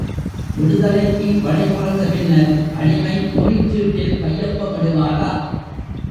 விடுதலைக்கு வழி பிறந்த பின்னர், அடிமை முறிச்சீட்டில் கையொப்பமிடுவாரா?